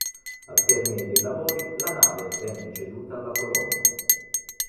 Al termine dei lavori la nave venne ceduta alla Polonia.